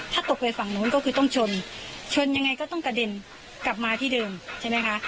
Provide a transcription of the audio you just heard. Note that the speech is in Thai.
ถ้าตกไปฝั่งนู้นก็คือต้องชนชนยังไงก็ต้องกระเด็นกลับมาที่เดิมใช่ไหมคะ